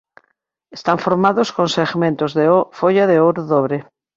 Están formados con segmentos de folla de ouro dobre.